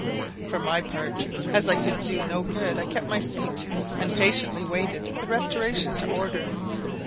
For my part, as I could do no good, I kept my seat, and patiently awaited the restoration to order.